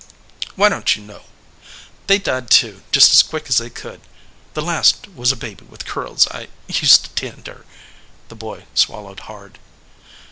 "Why don t you know ?" "They died, too, just as quick as they could. The last was a baby with curls. I used to tend her." The boy swallowed hard.